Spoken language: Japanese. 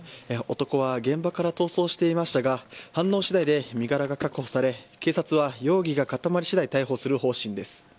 男は現場から逃走していましたが飯能市内で身柄が確保され警察は容疑が固まり次第逮捕する方針です。